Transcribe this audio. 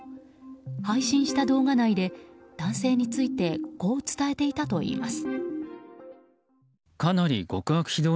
配信した動画内で、男性についてこう伝えていたといいます。